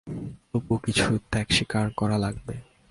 তবে কিছু ত্যাগস্বীকার করা লাগবে।